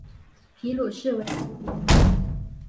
皮鲁士为其别名。